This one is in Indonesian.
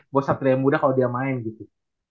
buat satria muda kalau dia main gitu